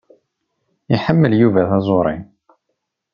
Iḥemmel Yuba taẓuṛi.